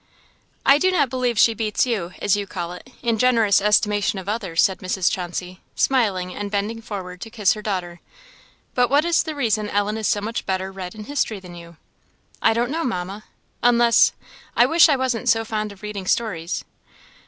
"I do not believe she beats you, as you call it, in generous estimation of others," said Mrs. Chauncey, smiling, and bending forward to kiss her daughter; "but what is the reason Ellen is so much better read in history than you?" "I don't know, Mamma, unless I wish I wasn't so fond of reading stories."